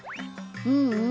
ううん。